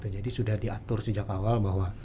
jadi sudah diatur sejak awal bahwa